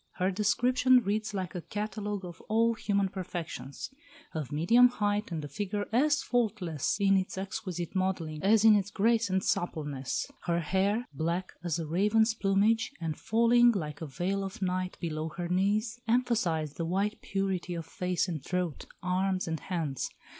Her description reads like a catalogue of all human perfections. Of medium height and a figure as faultless in its exquisite modelling as in its grace and suppleness; her hair, black as a raven's plumage, and falling, like a veil of night, below her knees, emphasised the white purity of face and throat, arms, and hands.